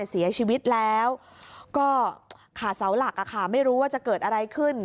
เสียชีวิตแล้วก็ขาดเสาหลักไม่รู้ว่าจะเกิดอะไรขึ้น